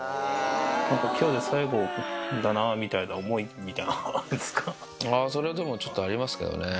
なんかきょうで最後だなみたいな、それはでもちょっとありますけどね。